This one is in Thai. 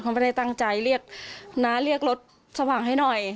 เขาไม่ได้ตั้งใจเรียกน้าเรียกรถสว่างให้หน่อย